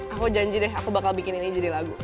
aku janji deh aku bakal bikin ini jadi lagu